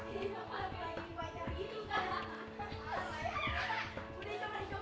terima kasih cing